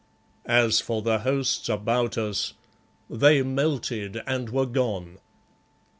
As for the hosts about us they melted and were gone.